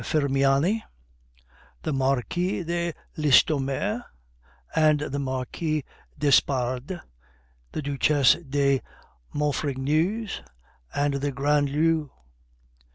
Firmiani, the Marquise de Listomere and the Marquise d'Espard, the Duchesse de Maufrigneuse and the Grandlieus.